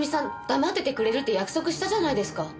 黙っててくれるって約束したじゃないですか。